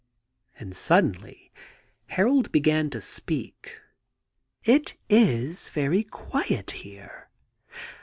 And suddenly Harold began to speak. * It is very quiet here.